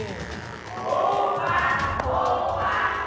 โหวะ